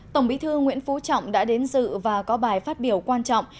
tổng bí thư nguyễn phú trọng đã đến dự và có bài phát biểu quan trọng